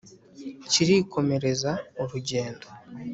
kirikomereza urugendo